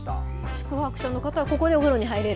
宿泊者の方はここでお風呂に入れる？